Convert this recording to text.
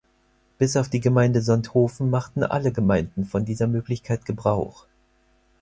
Bis auf die Gemeinde Sonthofen machten alle Gemeinden von dieser Möglichkeit Gebrauch.